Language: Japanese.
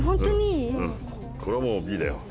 これはもうＢだよ。